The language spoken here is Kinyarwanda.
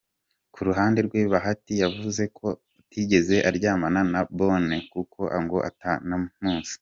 Ku ruhande rwe Bahati yavuze ko atigeze aryamana na Bonne kuko ngo atanamuzi.